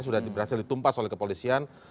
sudah berhasil ditumpas oleh kepolisian